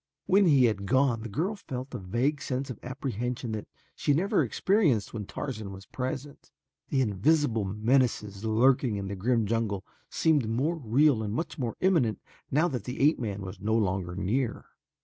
When he had gone the girl felt a vague sense of apprehension that she never experienced when Tarzan was present. The invisible menaces lurking in the grim jungle seemed more real and much more imminent now that the ape man was no longer near.